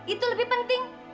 itu lebih penting